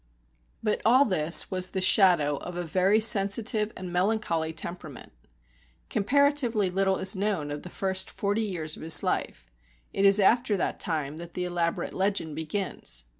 But all this was the shadow of a very sensitive and melancholy temperament. Comparatively little is known of the first forty years of his life; it is after that time that the elaborate legend begins.